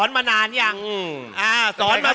เอาดีกว่า